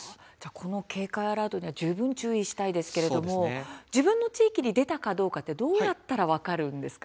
この警戒アラートには十分、注意したいですけれども自分の地域に出たかどうかどうやったら分かるんですか。